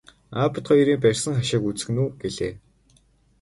Аав бид хоёрын барьсан хашааг үзэх нь үү гэлээ.